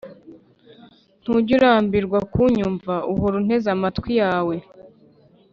Ntujya urambirwa kunyumva uhora unteze amatwi yawe